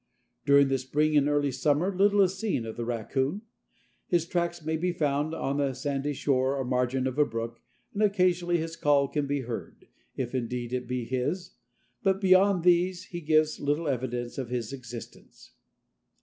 During the spring and early summer little is seen of the raccoon. His tracks may be found on a sandy shore or margin of a brook and occasionally his call can be heard, if indeed it be his, but beyond these he gives little evidence of his existence.